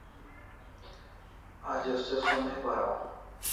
Ajo se sonai paraw